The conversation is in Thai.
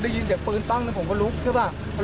ได้ยินเสียงปืนปั้งผมก็ลุกใช่ป่ะ